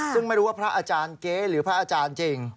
ซึ่งไม่รู้ว่าพระอาจารย์เก๊หรือพระอาจารย์จริง